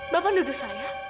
bapak nuduh saya